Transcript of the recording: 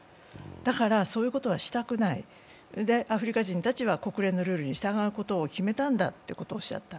だから、そういうことはしたくないそれでアフリカ人たちは国連のルールに従うことを決めたんだとおっしゃった。